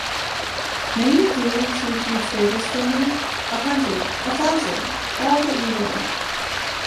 May you do two huge favors for me? A hundred, a thousand, all that you want.